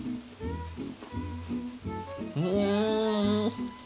うん！